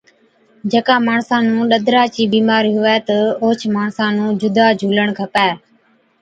جڪا ماڻسا نُون ڏَدرا چِي بِيمارِي هُوَي، تہ اوهچ ماڻسا نُون جُدا جھُولڻ کپَي